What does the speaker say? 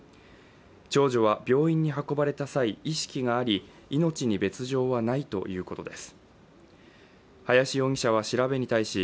長女は、病院に運ばれた際意識があり命に別状はないということです。